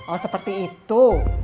oh seperti itu